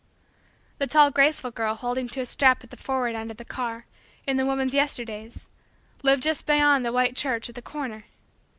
The tall, graceful, girl holding to a strap at the forward end of the car, in the woman's Yesterdays, lived just beyond the white church at the corner.